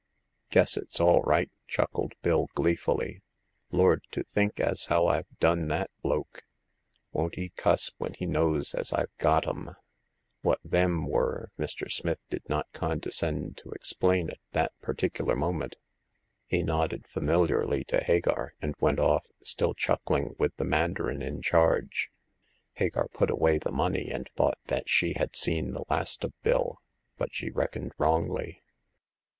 " Guess it's all right," chuckled Bill, gleefully. Lord, to think as how IVe done that bloke ! Won't he cuss when he knows as I've got em !" What " them " were Mr. Smith did not conde scend to explain at that particular moment. He nodded familiarly to Hagar, and went off, still chuckling with the mandarin in charge. Hagar put away the money, and thought that she had seen the last of Bill ; but she reckoned wrongly.